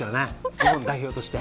日本代表として。